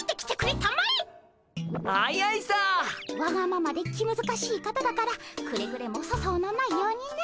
わがままで気むずかしい方だからくれぐれも粗相のないようにな。